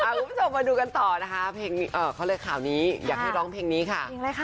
คุณผู้ชมมาดูกันต่อนะคะเค้าเลือกข่าวนี้อยากให้ร้องเพลงนี้ค่ะ